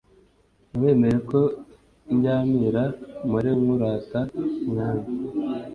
Niwemere ko ndyamira mpore nkurata mwami